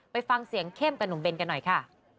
ไปฟังเสียงเข้มกับหนุ่มเบนกันหน่อยค่ะ